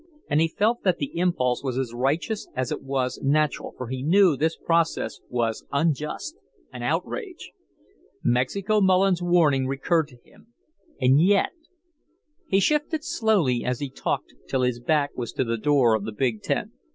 And he felt that the impulse was as righteous as it was natural, for he knew this process was unjust, an outrage. Mexico Mullins's warning recurred to him. And yet . He shifted slowly as he talked till his back was to the door of the big tent.